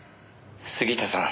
「杉下さん」